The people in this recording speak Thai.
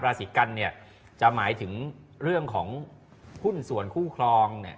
ราศีกันเนี่ยจะหมายถึงเรื่องของหุ้นส่วนคู่ครองเนี่ย